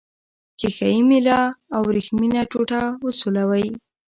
ښيښه یي میله او وریښمینه ټوټه وسولوئ.